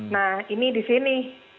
nah ini disini